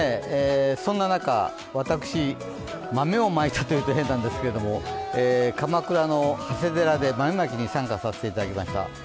そんな中、私、豆をまいたというと変なんですけど鎌倉の長谷寺で豆まきに参加させていただきました。